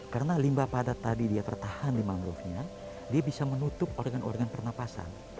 karena limbah padat tadi dia tertahan di mangrovenya dia bisa menutup organ organ pernafasan